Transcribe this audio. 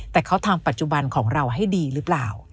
แต่เขาทำปัจจุบันของเราให้ดีหรือเปล่า